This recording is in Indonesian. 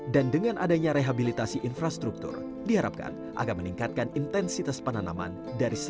dan dengan adanya rehabilitasi infrastruktur diharapkan agar meningkatkan intensitas penanaman dari satu ratus tiga puluh persen menjadi dua ratus persen